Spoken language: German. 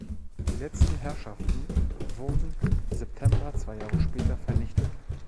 Die letzten Herrschaften wurden September zwei Jahre später vernichtet.